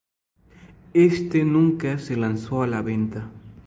Este nunca se lanzó a la venta.